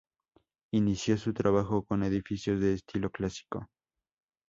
Inició su trabajo con edificios de estilo clásico.